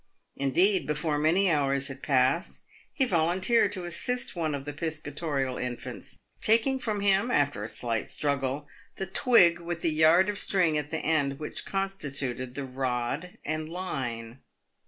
Indeed, before many hours had passed, he volunteered to assist one of the piscatorial infants, taking from him, after a slight struggle, the twig with the yard of string at the end which constituted the rod and line.